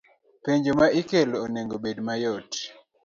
Penjo ma ikelo onego obed mayot